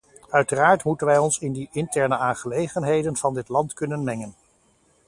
Uiteraard moeten wij ons in de interne aangelegenheden van dit land kunnen mengen.